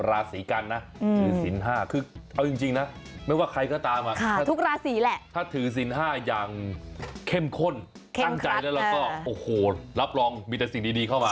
ตั้งใจแล้วแล้วก็โอ้โหรับรองมีแต่สิ่งดีเข้ามา